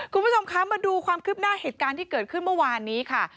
คุณผู้ชมคะมาดูความคืบหน้าเหตุการณ์ที่เกิดขึ้นเมื่อวานนี้ค่ะ